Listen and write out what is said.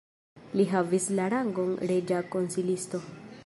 Li havis la rangon reĝa konsilisto.